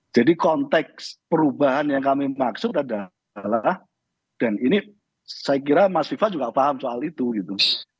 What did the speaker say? jadi konteks perubahan yang kami maksud adalah dan ini saya kira mas viva juga paham soal itu gitu